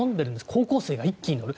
高校生が一気に乗る。